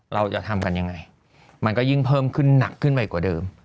เราจะทำกันยังไงมันก็ยิ่งเพิ่มขึ้นหนักขึ้นไปกว่าเดิม